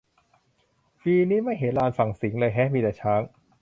ปีนี้ไม่เห็นลานฝั่งสิงห์เลยแฮะ มีแต่ช้าง